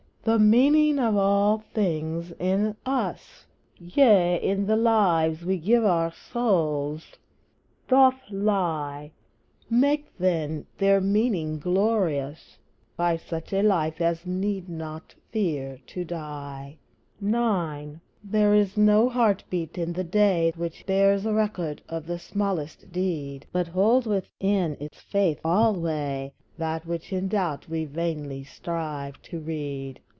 The meaning of all things in us Yea, in the lives we give our souls doth lie; Make, then, their meaning glorious By such a life as need not fear to die! IX. There is no heart beat in the day, Which bears a record of the smallest deed, But holds within its faith alway That which in doubt we vainly strive to read.